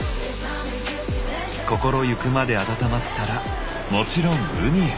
心ゆくまで温まったらもちろん海へ。